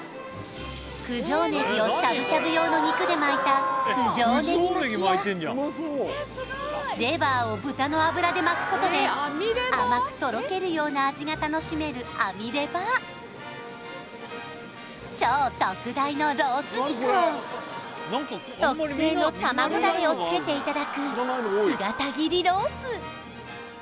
九条ねぎをしゃぶしゃぶ用の肉で巻いたレバーを豚の脂で巻くことで甘くとろけるような味が楽しめるアミレバ超特大のロース肉を特製の卵だれをつけていただく特色